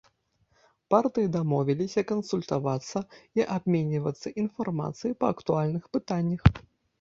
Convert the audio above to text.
Партыі дамовіліся кансультавацца і абменьвацца інфармацыяй па актуальных пытаннях.